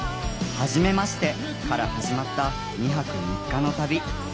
「はじめまして」から始まった２泊３日の旅。